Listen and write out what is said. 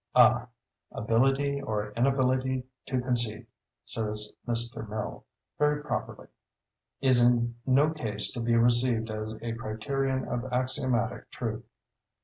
Ah!—"Ability or inability to conceive," says Mr. Mill, very properly, "is in no case to be received as a criterion of axiomatic truth."